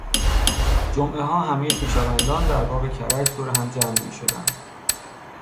جمعهها همهی خویشاوندان در باغ کرج دور هم جمع میشدند.